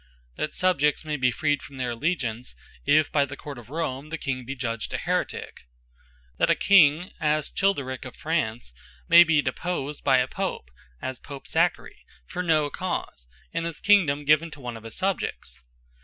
That Subjects may be freed from their Alleageance, if by the Court of Rome, the King be judged an Heretique? That a King (as Chilperique of France) may be deposed by a Pope (as Pope Zachary,) for no cause; and his Kingdome given to one of his Subjects?